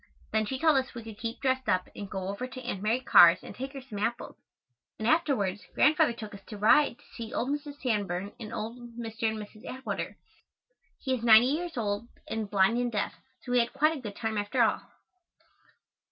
Then she told us we could keep dressed up and go over to Aunt Mary Carr's and take her some apples, and afterwards Grandfather took us to ride to see old Mrs. Sanborn and old Mr. and Mrs. Atwater. He is ninety years old and blind and deaf, so we had quite a good time after all.